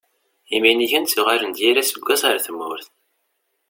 Iminigen ttuɣalen-d yal aseggas ɣer tmurt.